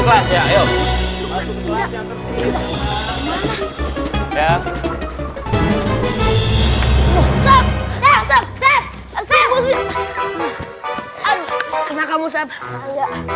kelas ya ayo ya